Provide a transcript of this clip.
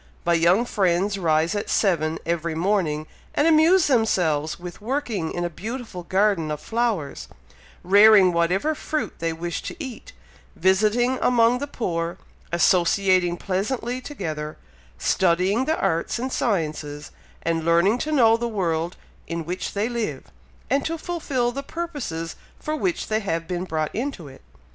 My young friends rise at seven every morning, and amuse themselves with working in a beautiful garden of flowers, rearing whatever fruit they wish to eat, visiting among the poor, associating pleasantly together, studying the arts and sciences, and learning to know the world in which they live, and to fulfil the purposes for which they have been brought into it.